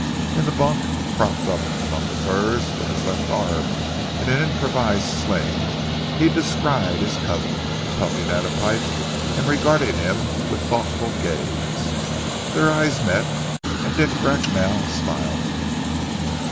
In the bunk, propped up among the furs, with his left arm in an improvised sling, he descried his cousin, puffing at a pipe, and regarding him with thoughtful gaze. Their eyes met, and Dick Bracknell smiled.